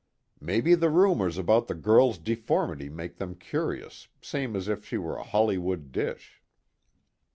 "Maybe the rumors about the girl's deformity make them curious, same as if she were a Hollywood dish."